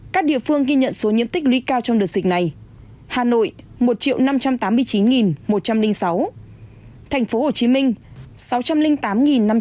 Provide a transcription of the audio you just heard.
các địa phương ghi nhận số nhiễm tích lý cao trong đợt dịch này